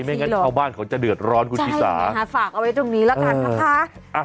ไม่งั้นชาวบ้านเขาจะเดือดร้อนกุฏิศาสตร์ใช่ค่ะฝากเอาไว้ตรงนี้แล้วกันนะคะ